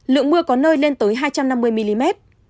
lượng mưa có nơi lên tới hai trăm năm mươi mm